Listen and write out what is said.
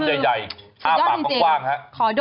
คำใหญ่อ้าวปากกว้างครับ